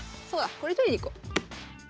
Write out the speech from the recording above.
これ取りに行こ。